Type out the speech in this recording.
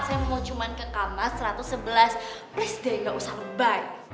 saya mau cuma ke kamar satu ratus sebelas please deh gak usah lebay